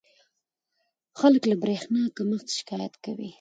خلک له برېښنا کمښت شکایت کوي.